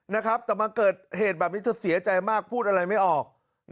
นะครับแต่มาเกิดเหตุแบบนี้เธอเสียใจมากพูดอะไรไม่ออก